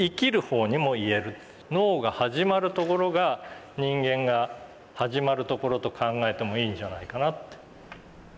脳が始まるところが人間が始まるところと考えてもいいんじゃないかなって。